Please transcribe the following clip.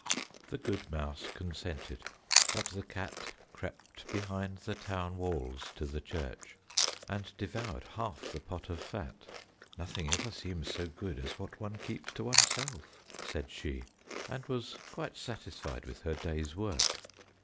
The good mouse consented, but the cat crept behind the town walls to the church, and devoured half the pot of fat. "Nothing ever seems so good as what one keeps to oneself," said she, and was quite satisfied with her day's work.